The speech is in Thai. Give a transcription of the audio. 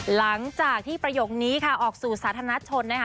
หลังจากที่ประโยคนี้ค่ะออกสู่สาธารณชนนะคะ